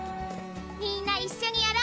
みんな一緒にやろう！